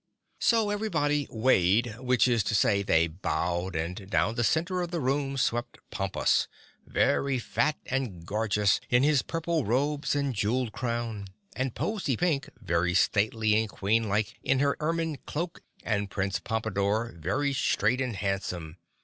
So everybody wayed, which is to say they bowed, and down the center of the room swept Pompus, very fat and gorgeous in his purple robes and jeweled crown, and Pozy Pink, very stately and queenlike in her ermine cloak, and Prince Pompadore very straight and handsome!